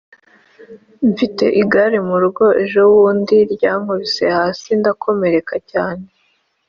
Mfite igare murugo ejo bundi ryankubise hasi ndakomereka cyane